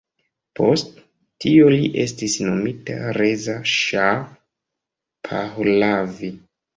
Post tio li estis nomita Reza Ŝah Pahlavi.